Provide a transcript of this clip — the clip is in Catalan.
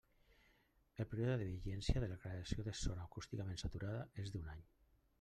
El període de vigència de la declaració de zona acústicament saturada és d'un any.